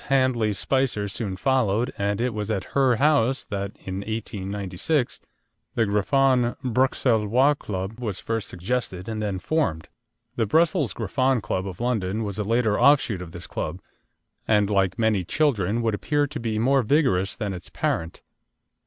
Handley Spicer soon followed, and it was at her house that, in 1896, the Griffon Bruxellois Club was first suggested and then formed. The Brussels Griffon Club of London was a later offshoot of this club, and, like many children, would appear to be more vigorous than its parent.